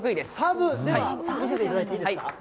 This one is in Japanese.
では見せていただいていいですか。